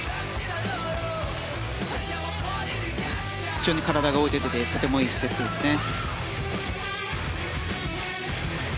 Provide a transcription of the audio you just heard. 非常に体が動いてとてもいいステップですね。